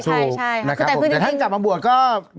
ใช่นะครับผมแต่ท่านจับมาบวชก็